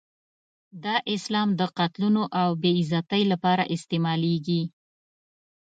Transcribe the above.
دا اسلام د قتلونو او بې عزتۍ لپاره استعمالېږي.